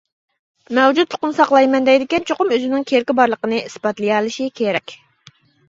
مەۋجۇتلۇقىنى ساقلايمەن دەيدىكەن چوقۇم ئۆزىنىڭ كېرىكى بارلىقىنى ئىسپاتلىيالىشى كېرەك.